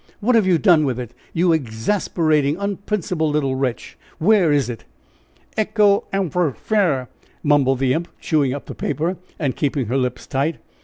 What have you done with it? You exasperating, unprincipled little wretch, where is it?" "'Echo anfers fere?'" mumbled the imp, chewing up the paper, and keeping her lips tight.